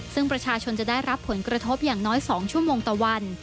ซึ่งประชาชนจะได้รับผลกระทบอย่างน้อย๒ชั่วโมงต่อวัน